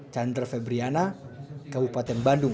chandra febriana kabupaten bandung